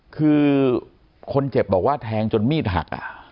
คือคนเจ็บบอกว่าแทงจนมีดหัก